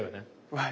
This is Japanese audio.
はい。